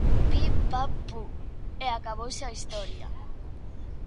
Pim, pam, pum... e acabouse a historia.